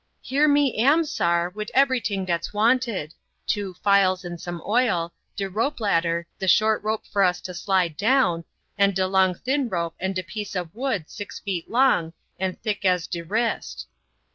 "Here me am, sar, wid eberyting dat's wanted; two files and some oil, de rope ladder, de short rope for us to slide down, and de long thin rope and de piece ob wood six feet long and thick as de wrist."